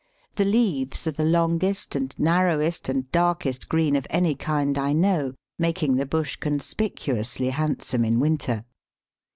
The leaves are the longest and narrowest and darkest green of any kind I know, making the bush conspicuously handsome in winter.